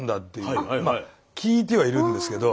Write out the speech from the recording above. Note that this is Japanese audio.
まあ聞いてはいるんですけど。